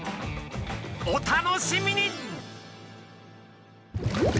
お楽しみに！